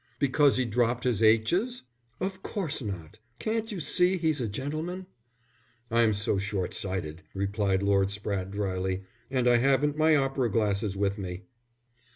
"Because he dropped his aitches?" "Of course not. Can't you see he's a gentleman?" "I'm so short sighted," replied Lord Spratte, dryly. "And I haven't my opera glasses with me."